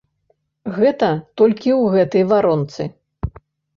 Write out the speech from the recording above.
Гэта толькі ў гэтай варонцы.